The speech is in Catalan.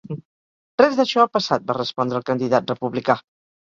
Res d’això ha passat, va respondre el candidat republicà.